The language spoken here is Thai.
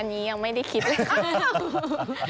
อันนี้ยังไม่ได้คิดเลยค่ะ